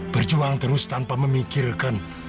berjuang terus tanpa memikirkan